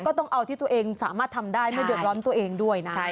ก็ต้องเอาที่ตัวเองสามารถทำได้ไม่เดือดร้อนตัวเองด้วยนะ